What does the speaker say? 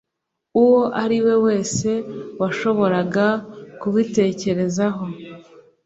uwo ari we wese washoboraga kubitekerezaho